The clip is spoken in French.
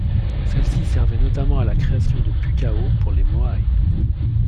Celle-ci servait notamment à la création de pukao pour les moaï.